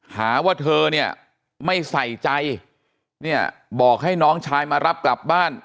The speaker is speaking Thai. หาว่าเธอเนี่ยไม่ใส่ใจเนี่ยบอกให้น้องชายมารับกลับบ้าน